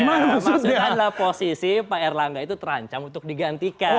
maksudnya adalah posisi pak erlangga itu terancam untuk digantikan